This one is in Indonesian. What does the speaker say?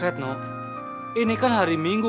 retno ini kan hari minggu